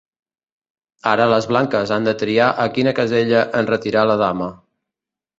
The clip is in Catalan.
Ara les blanques han de triar a quina casella enretirar la dama.